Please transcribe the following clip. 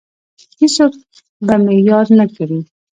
هیڅوک به مې یاد نه کړي